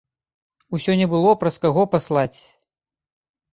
Усё не было праз каго паслаць.